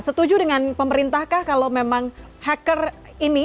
setuju dengan pemerintah kah kalau memang hacker ini